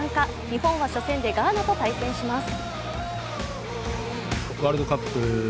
日本は初戦でガーナと対戦します。